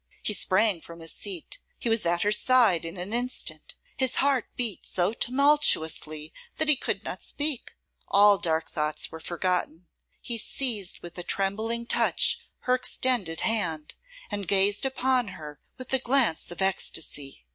He sprang from his seat; he was at her side in an instant; his heart beat so tumultuously that he could not speak; all dark thoughts were forgotten; he seized with a trembling touch her extended hand, and gazed upon her with a glance of ecstasy.